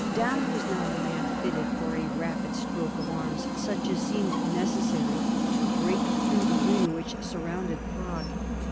Daun was not a man fitted for a rapid stroke of arms, such as seemed necessary to break through the ring which surrounded Prague.